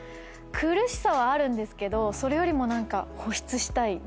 苦しさはあるんですけどそれよりも何か。